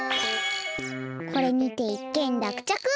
これにていっけんらくちゃく！